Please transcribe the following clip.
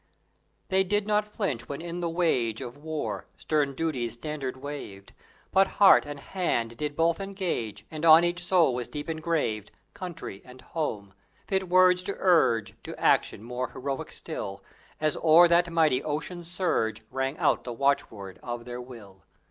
They did not flinch when in the wage Of war stern duty's standard waved, But heart and hand did both engage, And on each soul was deep engraved "Country and Home;" fit words to urge To action more heroic still, As o'er that mighty ocean's surge Rang out the watchward of their will!